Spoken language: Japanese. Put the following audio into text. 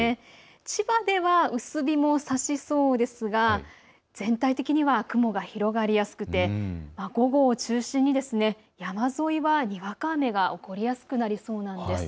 千葉では薄日もさしそうですが全体的には雲が広がりやすくて午後を中心に山沿いはにわか雨が起こりやすくなりそうです。